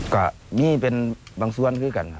ก็มีเป็นบางส่วนคือกันครับ